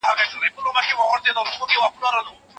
د بدن میټابولیک ساعت د هاضمې نظام تنظیموي.